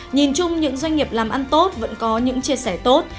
nhìn chung những doanh nghiệp làm ăn tốt vẫn có những chia sẻ tốt